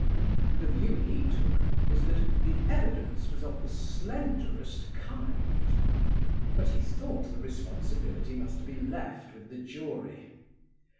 The view he took was that "the evidence was of the slenderest kind"; but he thought the responsibility must be left with the jury.